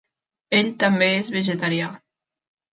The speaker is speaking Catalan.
Ell també és vegetarià.